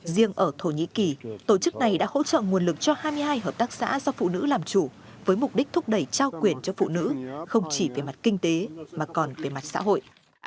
riêng ở thổ nhĩ kỳ tổ chức này đã hỗ trợ nguồn lực cho hai mươi hai hợp tác xã do phụ nữ làm chủ với mục đích thúc đẩy trao quyền cho phụ nữ không chỉ về mặt kinh tế mà còn về mặt xã hội